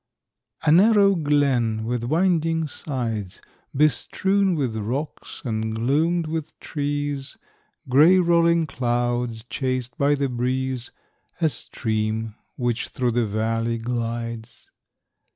A narrow glen with winding sides, Bestrewn with rocks and gloomed with trees, Grey, rolling clouds, chased by the breeze, A stream, which through the valley glides.